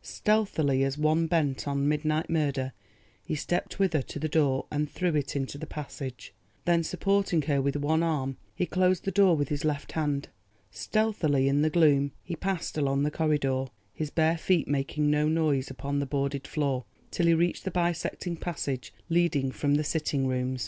Stealthily as one bent on midnight murder, he stepped with her to the door and through it into the passage. Then supporting her with one arm, he closed the door with his left hand. Stealthily in the gloom he passed along the corridor, his bare feet making no noise upon the boarded floor, till he reached the bisecting passage leading from the sitting rooms.